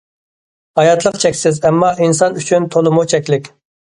ھاياتلىق چەكسىز، ئەمما، ئىنسان ئۈچۈن تولىمۇ چەكلىك.